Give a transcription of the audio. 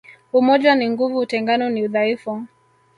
Umoja ni nguvu utengano ni udhaifu